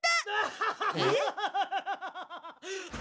ハハハハハ。